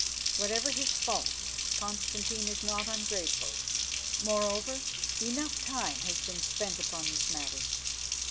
Whatever his faults, Constantine is not ungrateful. Moreover, enough time has been spent upon this matter.